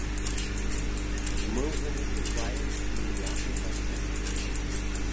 Мы ўжо не шукаем ніякай канцэпцыі.